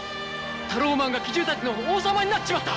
タローマンが奇獣たちの王様になっちまった！